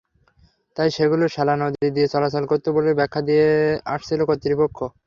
তাই সেগুলো শ্যালা নদী দিয়ে চলাচল করত বলে ব্যাখ্যা দিয়ে আসছিল কর্তৃপক্ষ।